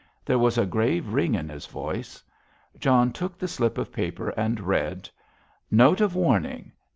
There was a grave ring in his voice. John took the slip of paper and read: "Note of Warning.